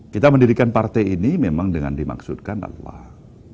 kita mendirikan partai ini memang dengan dimaksudkan allah